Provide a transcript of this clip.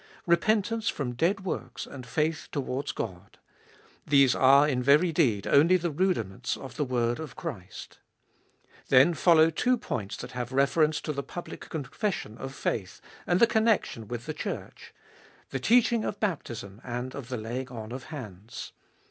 Repentance from dead works and faith towards God : these are in very deed only the rudiments of the word of Christ. Then follow two points that have reference to the public confession of faith and the connection with the Church : the teaching of baptism and of the laying on of hands.